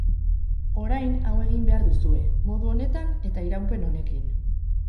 Orain hau egin behar duzue, modu honetan eta iraupen honekin.